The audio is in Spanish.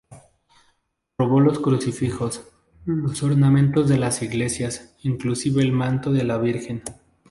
Robó los crucifijos, los ornamentos de las iglesias, inclusive el manto de la Virgen.